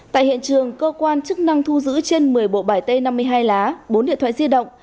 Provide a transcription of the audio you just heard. tại hiện trường cơ quan chức năng thu giữ trên một mươi bộ bài t năm mươi hai lá bốn điện thoại di động